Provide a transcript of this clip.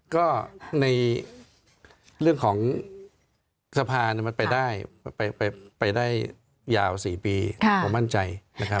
ก็ในเรื่องของสะพานมันไปได้ยาว๔ปีผมมั่นใจนะครับ